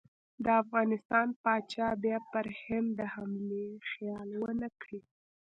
د افغانستان پاچا بیا پر هند د حملې خیال ونه کړي.